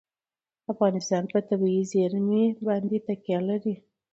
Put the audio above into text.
افغانستان په طبیعي زیرمې باندې تکیه لري.